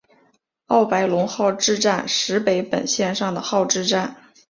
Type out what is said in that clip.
奥白泷号志站石北本线上的号志站。